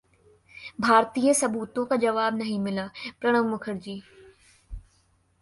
भारतीय सबूतों का जवाब नहीं मिला: प्रणब मुखर्जी